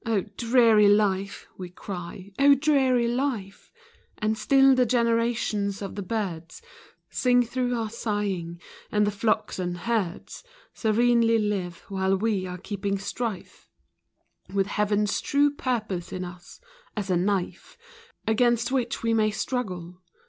DREARY life !" we cry, " O dreary life !" And still the generations of the birds Sing through our sighing, and the flocks and herds Serenely live while we are keeping strife CHEERFULNESS TAUGHT BY REASON. 15 With Heaven's true purpose in us, as a knife Against which we may struggle.